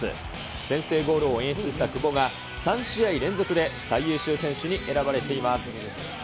先制ゴールを演出した久保が、３試合連続で最優秀選手に選ばれています。